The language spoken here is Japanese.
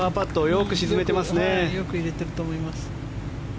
よく入れていると思います。